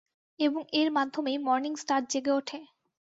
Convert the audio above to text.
এবং এর মাধ্যমেই, মর্নিং স্টার জেগে উঠে।